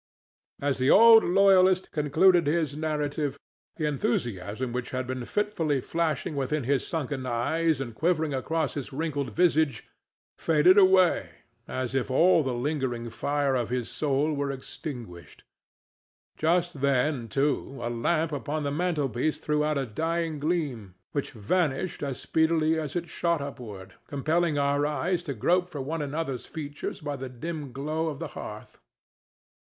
As the old loyalist concluded his narrative the enthusiasm which had been fitfully flashing within his sunken eyes and quivering across his wrinkled visage faded away, as if all the lingering fire of his soul were extinguished. Just then, too, a lamp upon the mantelpiece threw out a dying gleam, which vanished as speedily as it shot upward, compelling our eyes to grope for one another's features by the dim glow of the hearth.